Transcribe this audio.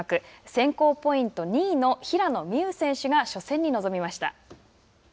選考ポイント２位の平野美宇選手が初戦に臨みました。